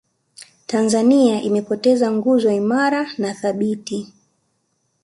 tanzania imepoteza nguzo imara na thabiti